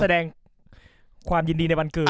แสดงความยินดีในวันเกิด